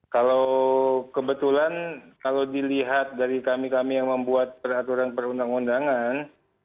kalau kebetulan kalau dilihat dari kami kami yang membuat peraturan perundang undangan